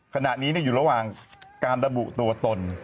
ขณะนี้อยู่ระหว่างการระบุตัวตน